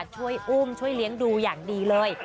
ช่วยอุ้มช่วยเลี้ยงดูอย่างดีเลย